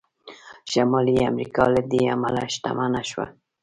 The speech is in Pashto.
شمالي امریکا له دې امله شتمنه شوه.